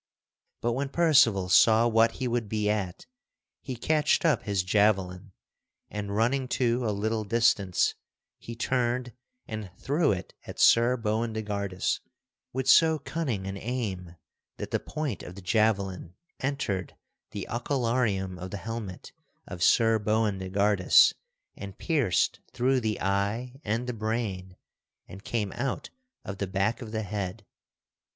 But when Percival saw what he would be at, he catched up his javelin and, running to a little distance, he turned and threw it at Sir Boindegardus with so cunning an aim that the point of the javelin entered the ocularium of the helmet of Sir Boindegardus and pierced through the eye and the brain and came out of the back of the head.